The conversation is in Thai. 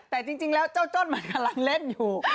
แต่จริงแล้วเจ้าจ้อนมันกำลังเล่นอยู่